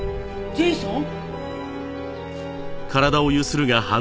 ジェイソン。